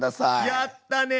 やったね！